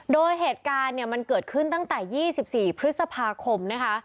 โดยเหตุการณ์เนี่ยมันเกิดขึ้นตั้งแต่๒๔พฤษภาคมนะคะ